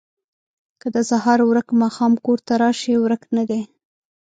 ـ که د سهار ورک ماښام کور ته راشي ورک نه دی